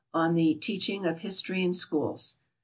on the "Teaching of History in Schools."